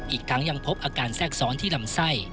อีกทั้งยังพบอาการแทรกซ้อนที่ลำไส้